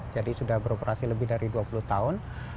jadi sudah beroperasi lebih dari dua puluh tahun